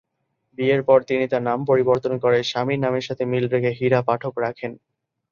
বিয়ের পর তিনি তার নাম পরিবর্তন করে স্বামীর নামের সাথে মিল রেখে হীরা পাঠক রাখেন।